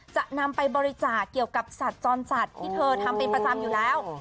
จะนำไปบริจาคเกี่ยวกับสัตว์จรจัดที่เธอทำเป็นประจำอยู่แล้ว